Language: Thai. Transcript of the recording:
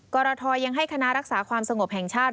กรทยังให้คณะรักษาความสงบแห่งชาติ